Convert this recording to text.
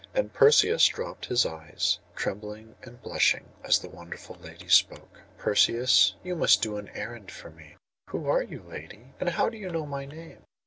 And Perseus dropped his eyes, trembling and blushing, as the wonderful lady spoke. 'Perseus, you must do an errand for me.' 'Who are you, lady? And how do you know my name?